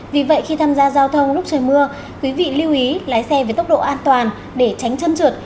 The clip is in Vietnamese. vì vậy khi tham gia giao thông lúc trời mưa quý vị lưu ý lái xe với tốc độ an toàn để tránh chân trượt